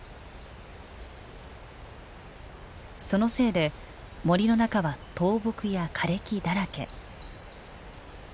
そのせいで森の中は倒木や枯れ木だらけ。